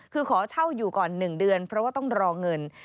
คือขอเช่าอยู่ก่อน๑เดือนเพราะว่าต้องรอเงิน